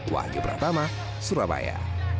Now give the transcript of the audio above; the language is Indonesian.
wahyu pratama surabaya